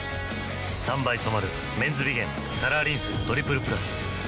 ３倍染まる「メンズビゲンカラーリンストリプルプラス」